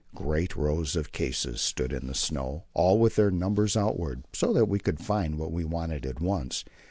Great rows of cases stood in the snow, all with their numbers outward, so that we could find what we wanted at once.